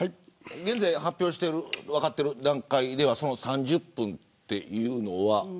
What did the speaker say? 現在発表している分かっている段階では３０分というのは。